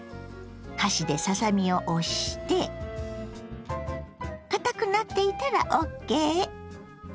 箸でささ身を押してかたくなっていたらＯＫ。